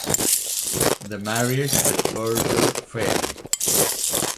The marriage with Berger failed.